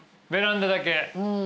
ベランダだけ。